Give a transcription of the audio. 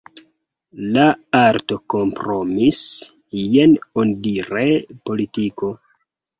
La arto kompromisi: jen – onidire – politiko.